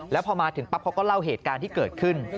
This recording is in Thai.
แล้วพอมาถึงปั๊บเขาก็เล่าเหตุการณ์ที่เกิดขึ้น